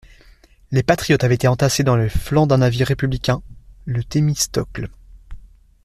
Les patriotes avaient été entassés dans les flancs d'un navire républicain, le Thémistocle.